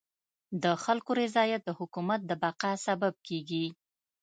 د خلکو رضایت د حکومت د بقا سبب کيږي.